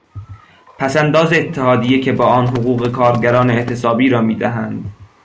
پس انداز اتحادیه که با آن حقوق کارگران اعتصابی را میدهند